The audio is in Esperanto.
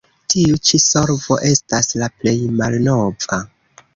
Tiu ĉi solvo estas la plej malnova.